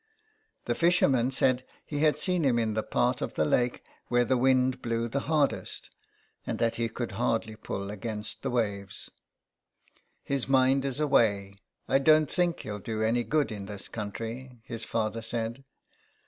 The fisherman said he had seen him in the part of the lake where the wind blew the hardest, and that he could hardly pull against the waves. "His mind is away. I don't think he'll do any good in this country," his father said.